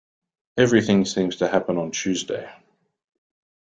Everything seems to happen on Tuesday.